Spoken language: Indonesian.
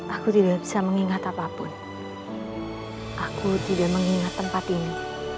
aku tidak bisa mengingat apapun aku tidak mengingat tempat ini